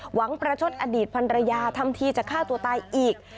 ประชดอดีตพันรยาทำทีจะฆ่าตัวตายอีก